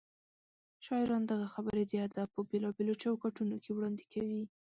شاعران دغه خبرې د ادب په بېلابېلو چوکاټونو کې وړاندې کوي.